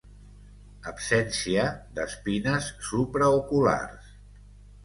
Absència d'espines supraoculars.